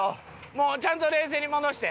もうちゃんと冷静に戻して。